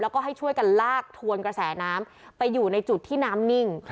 แล้วก็ให้ช่วยกันลากทวนกระแสน้ำไปอยู่ในจุดที่น้ำนิ่ง